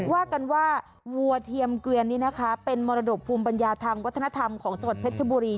ว่ากันว่าวัวเทียมเกวียนนี้นะคะเป็นมรดกภูมิปัญญาทางวัฒนธรรมของจังหวัดเพชรบุรี